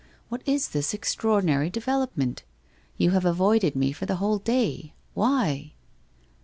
What is this extraor dinary development? You have avoided me for the whole day. Why?'